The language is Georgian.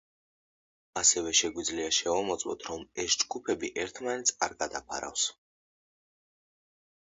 ასევე შეგვიძლია შევამოწმოთ რომ ეს ჯგუფები ერთმანეთს არ გადაფარავს.